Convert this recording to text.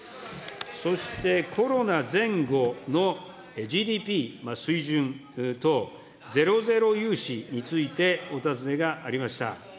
そして、コロナ前後のＧＤＰ水準等、ゼロゼロ融資についてお尋ねがありました。